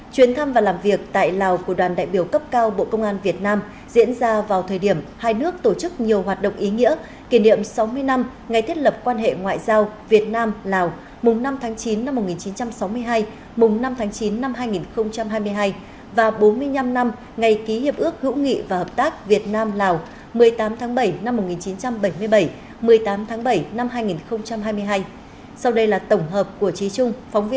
chuyến thăm và làm việc tại lào của đoàn đại biểu cấp cao bộ công an việt nam diễn ra vào thời điểm hai nước tổ chức nhiều hoạt động ý nghĩa kỷ niệm sáu mươi năm ngày thiết lập quan hệ ngoại giao việt nam lào mùng năm tháng chín năm một nghìn chín trăm sáu mươi hai mùng năm tháng chín năm hai nghìn hai mươi hai và bốn mươi năm năm ngày ký hiệp ước hữu nghị và hợp tác việt nam lào một mươi tám tháng bảy năm một nghìn chín trăm sáu mươi hai